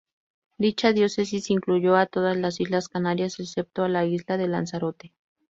Dicha diócesis incluyó a todas las Islas Canarias excepto la isla de Lanzarote.